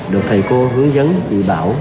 được thầy cô hướng dẫn chị bảo